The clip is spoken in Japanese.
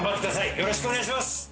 よろしくお願いします。